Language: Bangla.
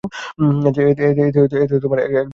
এতে এক ডাকাত সদস্য নিহত হয়।